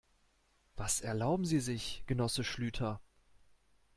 Was erlauben Sie sich, Genosse Schlüter?